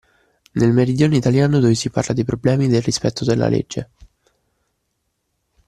Nel meridione italiano dove si parla dei problemi del rispetto della legge